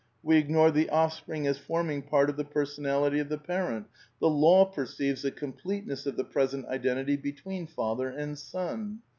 ...'*"... We ignore the offspring as forming part of the person ality of the parent ... the law ... perceives the completeness of the present identity between father and son.